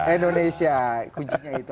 indonesia kuncinya itu